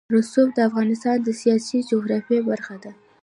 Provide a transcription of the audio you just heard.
رسوب د افغانستان د سیاسي جغرافیه برخه ده.